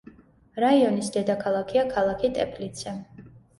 რაიონის დედაქალაქია ქალაქი ტეპლიცე.